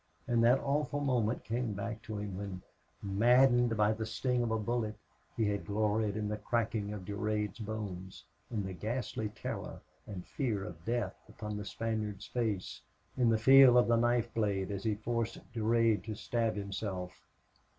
And that awful moment came back to him when, maddened by the sting of a bullet, he had gloried in the cracking of Durade's bones, in the ghastly terror and fear of death upon the Spaniard's face, in the feel of the knife blade as he forced Durade to stab himself.